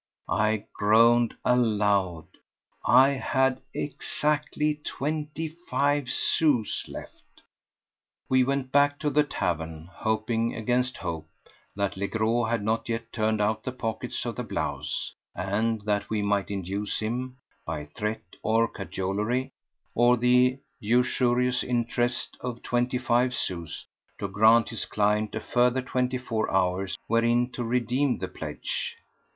I groaned aloud. I had exactly twenty five sous left. We went back to the tavern hoping against hope that Legros had not yet turned out the pockets of the blouse, and that we might induce him, by threat or cajolery or the usurious interest of twenty five sous, to grant his client a further twenty four hours wherein to redeem the pledge.